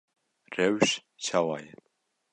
Rewş çawa ye?